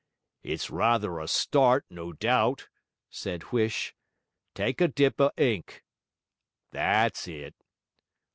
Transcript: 'It's rather a start, no doubt,' said Huish. 'Tyke a dip of ink. That's it.